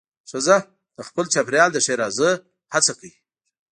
ښځه د خپل چاپېریال د ښېرازۍ هڅه کوي.